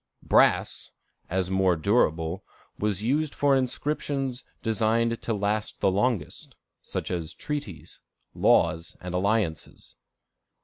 Brass, as more durable, was used for inscriptions designed to last the longest, such as treaties, laws, and alliances.